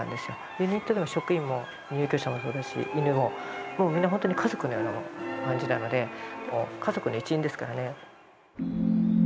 ユニットでの職員も入居者もそうだし犬ももうみんなほんとに家族のような感じなのでもう家族の一員ですからね。